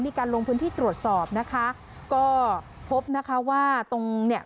มีการลงพื้นที่ตรวจสอบนะคะก็พบนะคะว่าตรงเนี่ย